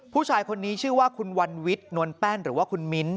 ผู้ชายคนนี้ชื่อว่าคุณวันวิทย์นวลแป้นหรือว่าคุณมิ้นท